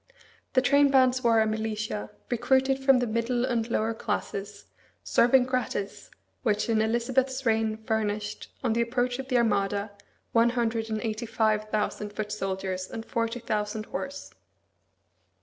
The trainbands were a militia, recruited from the middle and lower classes, serving gratis, which in Elizabeth's reign furnished, on the approach of the Armada, one hundred and eighty five thousand foot soldiers and forty thousand horse.